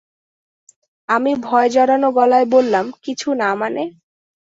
আমি ভয়-জড়ানো গলায় বললাম, কিছু না মানে?